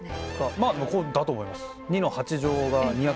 まあこうだと思います。